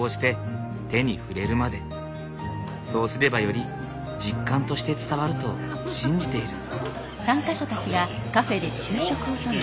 そうすればより実感として伝わると信じている。